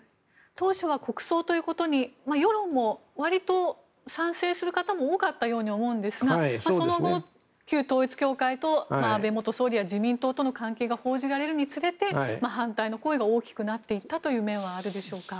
当初は国葬ということに世論も、割と賛成する方も多かったように思うんですがその後、旧統一教会と安倍元総理や自民党との関係が報じられるにつれて反対の声が大きくなっていったという面はあるでしょうか。